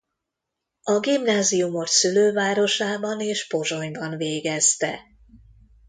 A gimnáziumot szülővárosában és Pozsonyban végezte.